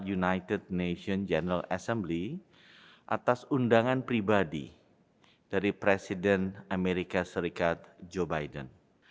united nation general assembly atas undangan pribadi dari presiden amerika serikat joe biden